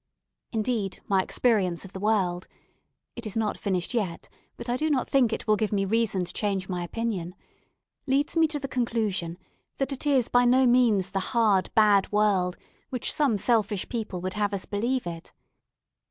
Indeed, my experience of the world it is not finished yet, but I do not think it will give me reason to change my opinion leads me to the conclusion that it is by no means the hard bad world which some selfish people would have us believe it.